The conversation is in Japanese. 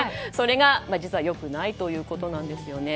それが実は良くないということなんです。